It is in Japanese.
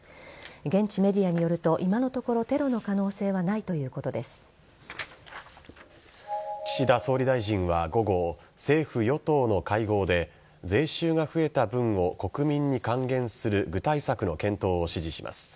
現地メディアによると今のところテロの可能性はない岸田総理大臣は午後政府・与党の会合で税収が増えた分を国民に還元する具体策の検討を指示します。